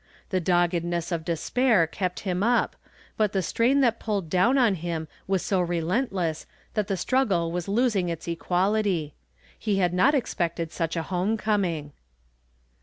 The doggedness of despair kept him up, but the strain that pulled down on him was so relentless that the struggle was losing its equality. He had not expected such a home coming.